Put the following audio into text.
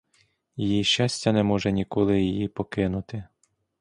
Її щастя не може ніколи її покинути.